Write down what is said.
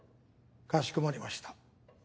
かしこまりました。